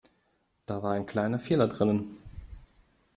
Da war ein kleiner Fehler drinnen.